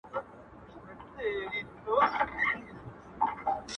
داسي ورځ درڅخه غواړم را خبر مي خپل ملیار کې -